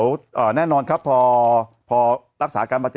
ยังไงยังไงยังไงยังไง